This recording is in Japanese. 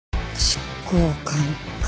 執行官か。